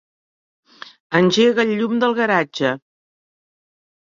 Engega el llum del garatge.